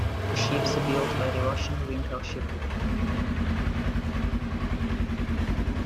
The ships are built by the Russian "Vympel" Shipyard.